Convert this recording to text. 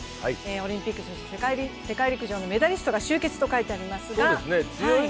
オリンピック、そして世界陸上のメダリストが集結と書いてありますが。